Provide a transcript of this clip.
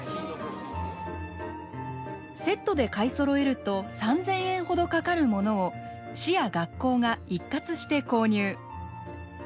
セットで買いそろえると３，０００円ほどかかるものを市や学校が一括して購入。